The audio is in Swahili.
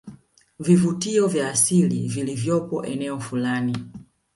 vivuvutio vya asili vilivyopo eneo fulani